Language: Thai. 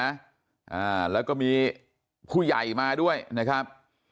อ่าแล้วก็มีผู้ใหญ่มาด้วยนะครับ